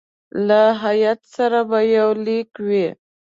له هیات سره به یو لیک وي.